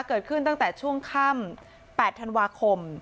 เกิดขึ้นตั้งแต่ช่วงค่ำ๘ธันวาคม